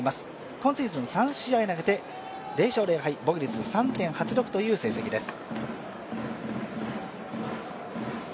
今シーズン３試合投げて０勝０敗、防御率３．８６という成績です。